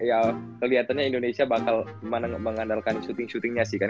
ya keliatannya indonesia bakal mana mengandalkan shooting shootingnya sih kan